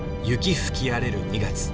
吹き荒れる２月。